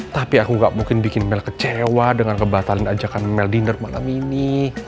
tapi aku nggak mungkin bikin mel kecewa dengan kebatalan ajakan mel dinner malam ini